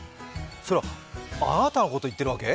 それは、あーたのこと言ってるわけ？